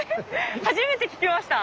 初めて聞きました。